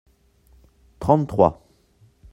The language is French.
Trente-trois.